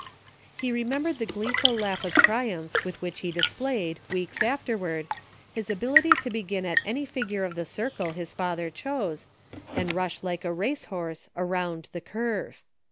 He remembered the gleeful laugh of triumph with which he displayed, weeks afterward, his ability to begin at any figure of the circle his father chose, and rush like a race horse "around the curve."